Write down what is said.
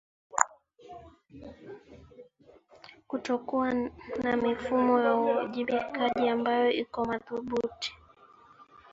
kutokuwa na mifumo ya uwajibikaji ambayo iko madhubuti